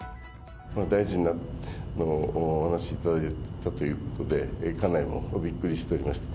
大臣のお話頂いたということで、家内もびっくりしておりました。